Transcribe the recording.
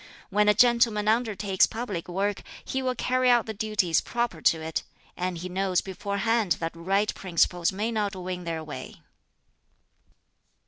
When a gentleman undertakes public work, he will carry out the duties proper to it; and he knows beforehand that right principles may not win their way."